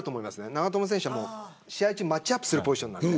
長友選手はマッチアップするポジションなんで。